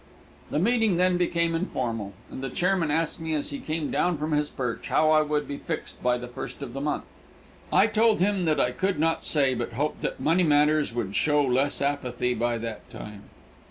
The meeting then became informal, and the chairman asked me as he came down from his perch how I would be fixed by the first of the month. I told him that I could not say, but hoped that money matters would show less apathy by that time.